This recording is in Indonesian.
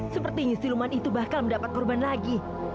sepertinya siluman itu bakal mendapat korban lagi